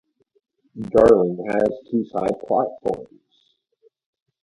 Darling has two side platforms.